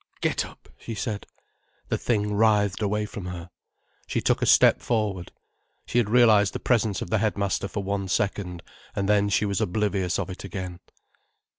"Get up," she said. The thing writhed away from her. She took a step forward. She had realized the presence of the headmaster for one second, and then she was oblivious of it again.